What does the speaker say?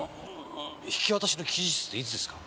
引き渡しの期日っていつですか？